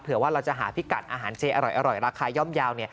เผื่อว่าเราจะหาพิกัดอาหารเจอร่อยราคายอ้อมยาว